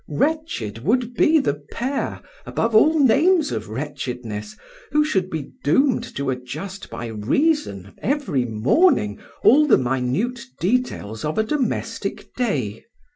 Wretched would be the pair, above all names of wretchedness, who should be doomed to adjust by reason every morning all the minute details of a domestic day.